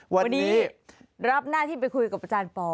วันนี้รับหน้าที่ไปคุยกับอาจารย์ปอ